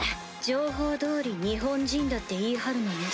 情報通り日本人だって言い張るのね。